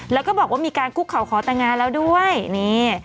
แล้วก็บอกว่ามีการคุกเขาขอแต่งงานแล้วด้วยนี่